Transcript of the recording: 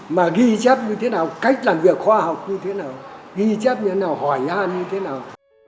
mà ghi chép như thế nào cách làm việc khoa học như thế nào ghi chép như thế nào hỏi an như thế nào